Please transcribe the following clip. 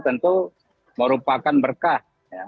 tentu merupakan berkah